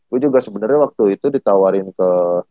gua juga sebenernya waktu itu ditawarin ke